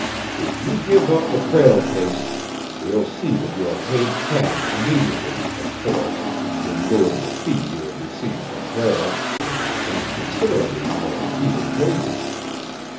If you give up the Prale case, we'll see that you are paid cash immediately, of course, in lieu of the fee you would receive from Prale and considerably more than he would pay you."